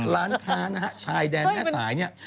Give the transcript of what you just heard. ร้านค้านะฮะชายแดนแม่สายเนี่ย